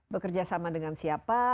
bekerja sama dengan siapa